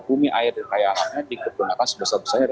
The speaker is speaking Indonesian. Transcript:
bumi air dan kaya alamnya digunakan sebesar besar